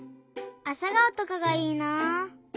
あさがおとかがいいなあ。